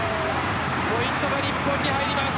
ポイントが日本に入ります。